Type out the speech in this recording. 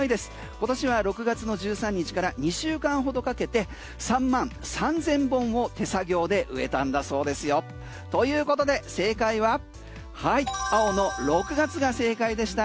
今年は６月の１３日から２週間ほどかけて３万３０００本を手作業で植えたんだそうですよ。ということで正解は青の６月が正解でした。